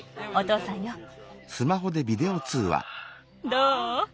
どう？